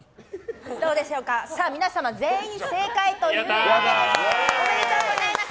皆様、全員正解ということでおめでとうございます！